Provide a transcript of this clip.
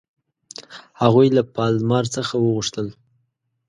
هغوی له پالمر څخه وغوښتل.